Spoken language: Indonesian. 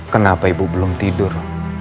kenapa ibu belum tidur